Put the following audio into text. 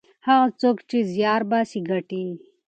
هغه څوک چې زیار باسي ګټي.